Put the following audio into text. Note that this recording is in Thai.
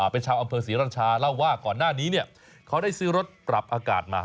เป็นชาวอำเภอศรีรัญชาเล่าว่าก่อนหน้านี้เขาได้ซื้อรถปรับอากาศมา